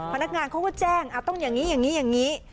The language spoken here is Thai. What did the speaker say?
พนักงานเขาก็แจ้งต้องอย่างนี้อย่างนี้